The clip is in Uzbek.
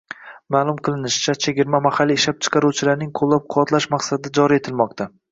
Ma’lum qilinishicha, chegirma mahalliy ishlab chiqaruvchilarning qo‘llab-quvvatlash maqsadida joriy etilmoqda